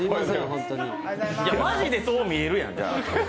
マジでそう見えるやん。